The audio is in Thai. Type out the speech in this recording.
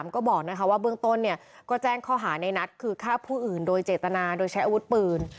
ก็บอกว่าเบื้องต้นก็แจ้งข้อหาในนัดคือฆ่าผู้อื่นโดยเจตนาโดยใช้อาวุธปืน